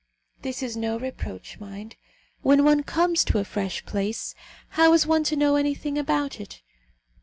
This is no reproach, mind. When one comes to a fresh place, how is one to know anything about it?